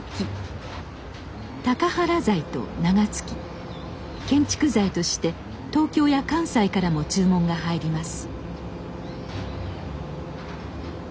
たかはら材と名が付き建築材として東京や関西からも注文が入ります。